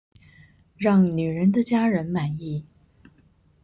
讓女人的家人滿意